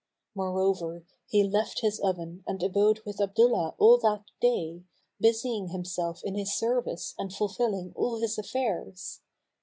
Moreover, he left his oven and abode with Abdullah all that day, busying himself in his service and fulfilling all his affairs.